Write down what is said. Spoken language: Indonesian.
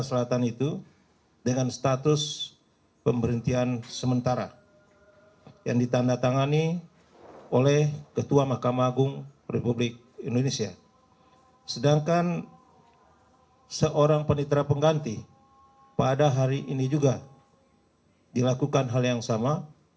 sedangkan seorang penitra pengganti pada hari ini juga dilakukan hal yang sama